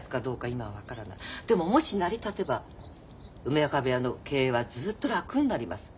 でももし成り立てば梅若部屋の経営はずっと楽になります。